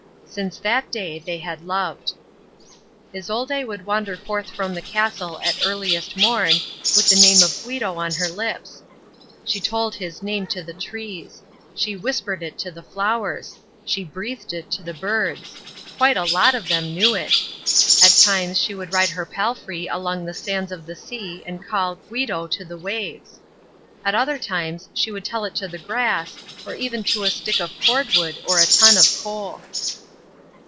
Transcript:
Since that day they had loved. Isolde would wander forth from the castle at earliest morn, with the name of Guido on her lips. She told his name to the trees. She whispered it to the flowers. She breathed it to the birds. Quite a lot of them knew it. At times she would ride her palfrey along the sands of the sea and call "Guido" to the waves! At other times she would tell it to the grass or even to a stick of cordwood or a ton of coal.